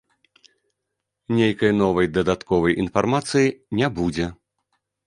Нейкай новай, дадатковай інфармацыі не будзе.